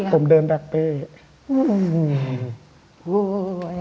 ผมเดินค่อนของ